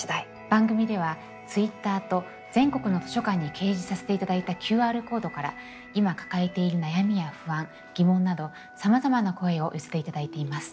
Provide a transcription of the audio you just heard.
番組ではＴｗｉｔｔｅｒと全国の図書館に掲示させていただいたＱＲコードから今抱えている悩みや不安疑問などさまざまな声を寄せていただいています。